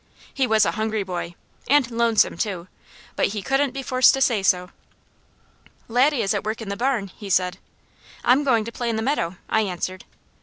He was a hungry boy, and lonesome too, but he couldn't be forced to say so. "Laddie is at work in the barn," he said. "I'm going to play in the creek," I answered.